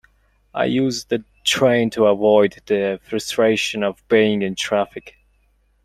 I use the train to avoid the frustration of being in traffic.